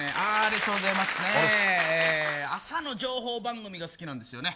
僕ね朝の情報番組が好きなんですよね。